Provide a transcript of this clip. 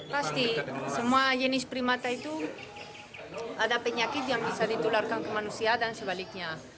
pasti semua jenis primata itu ada penyakit yang bisa ditularkan ke manusia dan sebaliknya